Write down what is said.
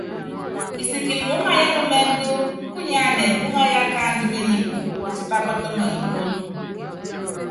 Pisikili muúŋayɔ ɛnúmɛndɔ kúnyánɛ akáandɔ ményiku, pátípa pɔtɔŋɔ ikólo.